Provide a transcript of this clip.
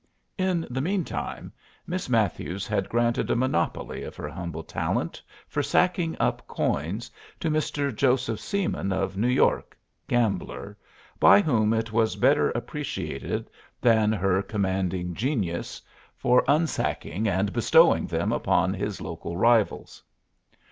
In the mean time, Miss Matthews had granted a monopoly of her humble talent for sacking up coins to Mr. Jo. Seeman, of New York, gambler, by whom it was better appreciated than her commanding genius for unsacking and bestowing them upon his local rivals.